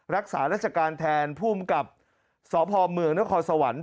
รักษาราชการแทนภูมิกับสพเมืองนครสวรรค์